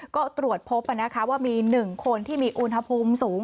ก็ตรวจพบว่ามี๑คนที่มีอุณหภูมิสูง